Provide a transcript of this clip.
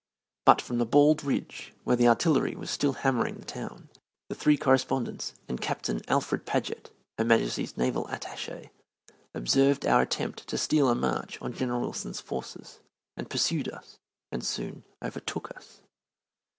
But from the bald ridge, where the artillery was still hammering the town, the three correspondents and Captain Alfred Paget, Her Majesty's naval attache, observed our attempt to steal a march on General Wilson's forces, and pursued us and soon overtook us.